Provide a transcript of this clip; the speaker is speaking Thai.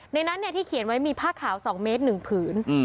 ในนั้นที่เขียนไว้มีผ้าขาว๒เมตร๑ผืน